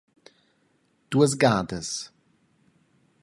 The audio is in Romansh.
Duas gadas.